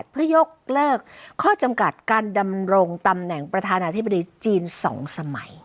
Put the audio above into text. เพื่อยกเลิกข้อจำกัดการดำรงตำแหน่งประธานาธิบดีจีน๒สมัย